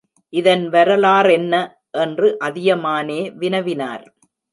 இதன் வரலாறென்ன? என்று அதியமானே வினவினார்.